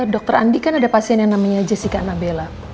dokter andi kan ada pasien yang namanya jessica nabella